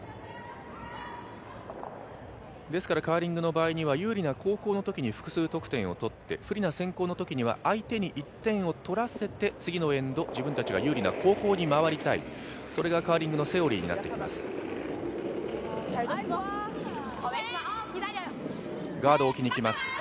ですからカーリングの場合には有利な後攻のときに複数点数を取って不利な先攻のときには相手に１点を取らせて次のエンド、自分たちが有利な後攻に回りたい、それがカーリングのセオリーになっています。